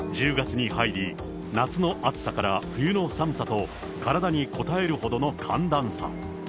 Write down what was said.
１０月に入り、夏の暑さから冬の寒さと体にこたえるほどの寒暖差。